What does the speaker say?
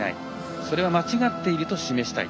それは間違っていると示したい。